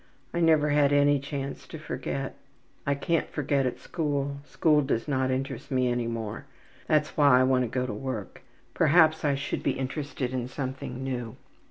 I never had any chance to forget. I can't forget at school. School does not interest me any more. That's why I want to go to work. Perhaps then I should be interested in something new.